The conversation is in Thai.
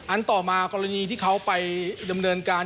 ต่อมากรณีที่เขาไปดำเนินการ